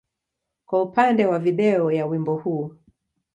kwa upande wa video ya wimbo huu.